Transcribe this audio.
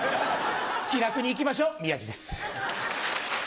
気楽に行きましょう宮治です。